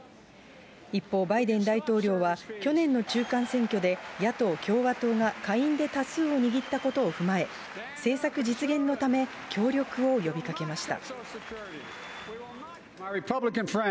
一方、バイデン大統領は、去年の中間選挙で野党・共和党が下院で多数を握ったことを踏まえ、政策実現のため、協力を呼びかけました。